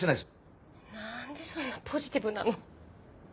なんでそんなポジティブなの？